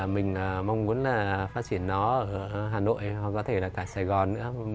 mình mong muốn là phát triển nó ở hà nội hoặc có thể là cả sài gòn nữa